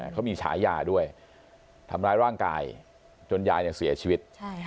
เขามีฉายาด้วยทำร้ายร่างกายจนยายเสียชีวิต